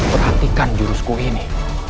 perhatikan jurusku ini